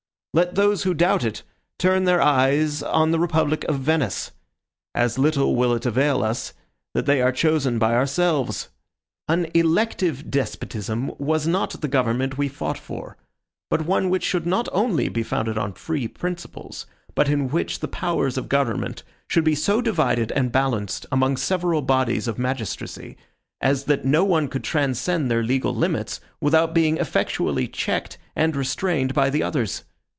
Let those who doubt it, turn their eyes on the republic of Venice. As little will it avail us, that they are chosen by ourselves. An ELECTIVE DESPOTISM was not the government we fought for; but one which should not only be founded on free principles, but in which the powers of government should be so divided and balanced among several bodies of magistracy, as that no one could transcend their legal limits, without being effectually checked and restrained by the others.